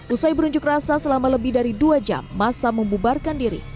usai berunjuk rasa selama lebih dari dua jam masa membubarkan diri